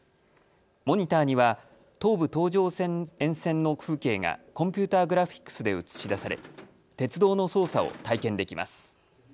モニターには東武東上線沿線の風景がコンピューターグラフィックスで映し出され鉄道の操作を体験できます。